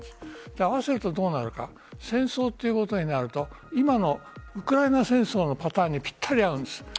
合わせると、どうなるか戦争ということになると今のウクライナ戦争のパターンにぴったり合うんです。